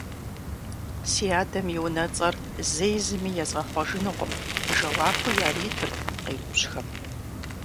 - Си адэм и унэцӀэр зэи зыми езгъэхъуэжынукъым, – жэуапу яритырт къеупщӀхэм.